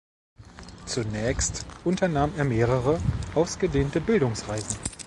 Zunächst unternahm er mehrere ausgedehnte Bildungsreisen.